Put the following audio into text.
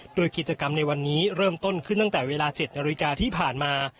โดยกิจกรรมในวันนี้เริ่มต้นขึ้นตั้งแต่เวลา๗นาฬิกาที่ผ่านมา